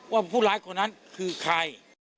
ว่าผู้ร้ายคนนั้นคือใคร